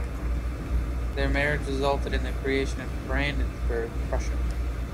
Their marriage resulted in the creation of Brandenburg-Prussia.